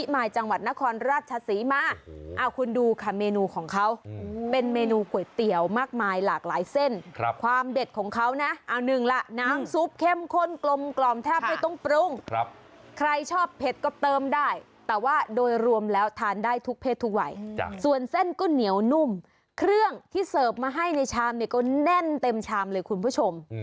มายจังหวัดนครราชศรีมาคุณดูค่ะเมนูของเขาเป็นเมนูก๋วยเตี๋ยวมากมายหลากหลายเส้นความเด็ดของเขานะเอาหนึ่งล่ะน้ำซุปเข้มข้นกลมกล่อมแทบไม่ต้องปรุงครับใครชอบเผ็ดก็เติมได้แต่ว่าโดยรวมแล้วทานได้ทุกเพศทุกวัยส่วนเส้นก็เหนียวนุ่มเครื่องที่เสิร์ฟมาให้ในชามเนี่ยก็แน่นเต็มชามเลยคุณผู้ชม